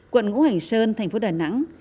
quận ngũ hành sơn thành phố đà nẵng